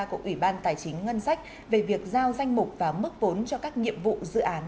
của ủy ban tài chính ngân sách về việc giao danh mục và mức vốn cho các nhiệm vụ dự án